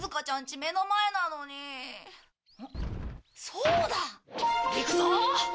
そうだ！いくぞ！